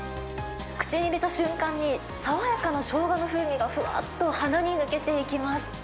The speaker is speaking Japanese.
口に入れた瞬間に、爽やかなしょうがの風味がふわっと鼻に抜けていきます。